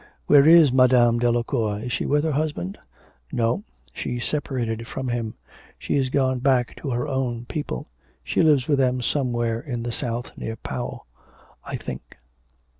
'Where is Madame Delacour, is she with her husband?' 'No; she's separated from him. She's gone back to her own people. She lives with them somewhere in the south near Pau, I think.'